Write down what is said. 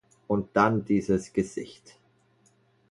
Und dann dieses Gesicht!